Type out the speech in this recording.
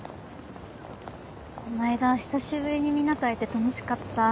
この間久しぶりにみんなと会えて楽しかった。